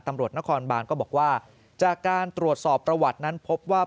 ตำรวจนครบานก็บอกว่าจากการตรวจสอบประวัตินั้นพบว่า